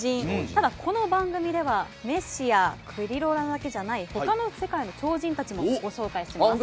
ただこの番組ではメッシやクリロナだけじゃない他の世界の超人たちもご紹介します。